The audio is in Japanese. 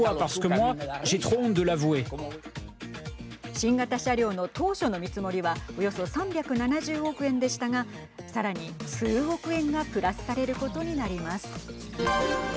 新型車両の当初の見積もりはおよそ３７０億円でしたがさらに数億円がプラスされることになります。